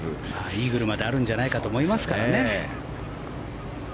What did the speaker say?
イーグルまであるんじゃないかと思いますからね。